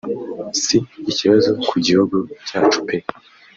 si ikibazo ku gihugu cyacu pe